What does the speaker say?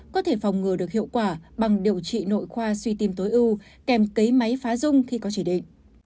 có thể phòng ngừa được hiệu quả bằng điều trị nội khoa suy tim tối ưu kèm cấy máy phá dung khi có chỉ định